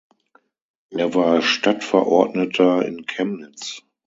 Er war Stadtverordneter in Chemnitz.